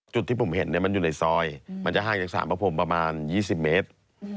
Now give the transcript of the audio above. จุดที่ผมเห็นมันอยู่ในซอยมันจะห่างจากสารพระพรมประมาณ๒๐เมตร